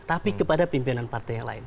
tapi kepada pimpinan partai yang lain